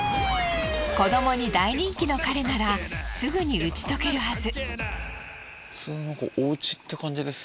子どもに大人気の彼ならすぐに打ち解けるはず。